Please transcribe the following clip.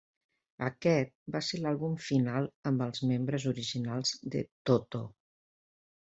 Aquest va ser l'àlbum final amb el membres originals de Toto.